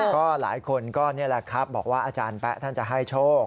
ก็หลายคนก็นี่แหละครับบอกว่าอาจารย์แป๊ะท่านจะให้โชค